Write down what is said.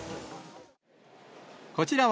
こちらは、